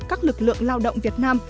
các lực lượng lao động việt nam